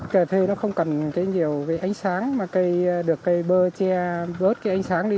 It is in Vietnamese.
cà phê nó không cần cái nhiều ánh sáng mà cây được cây bơ che vớt cái ánh sáng đi